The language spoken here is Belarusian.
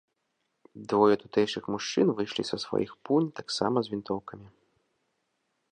Двое тутэйшых мужчын выйшлі са сваіх пунь таксама з вінтоўкамі.